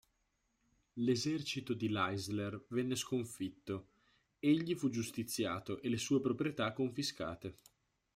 L'esercito di Leisler venne sconfitto, egli fu giustiziato e le sue proprietà confiscate.